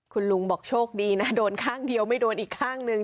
คุณลุงบอกโชคดีนะโดนข้างเดียวไม่โดนอีกข้างนึง